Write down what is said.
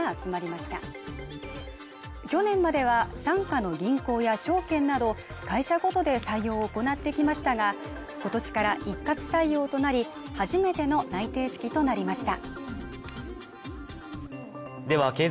そして去年までは、傘下の銀行や証券など会社ごとで採用を行ってきましたが、今年から一括採用となり、初めての内定式となりました。